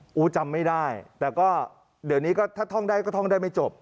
โอ้โหจำไม่ได้แต่ก็เดี๋ยวนี้ก็ถ้าท่องได้ก็ท่องได้ไม่จบ